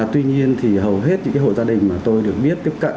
tuy nhiên thì hầu hết những hộ gia đình mà tôi được biết tiếp cận